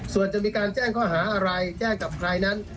ส่วนจะมีการแจ้งข้อหาอะไรแจ้งกับใครนั้น